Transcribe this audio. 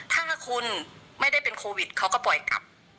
ถ้าคุณไม่ได้เป็นโควิดเขาก็ปล่อยกลับ